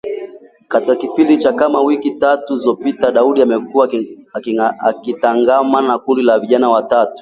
Katika kipindi cha kama wiki tatu zilizopita Daudi amekuwa akitangamana na kundi la vijana watatu